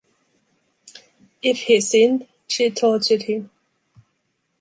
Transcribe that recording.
If he sinned, she tortured him.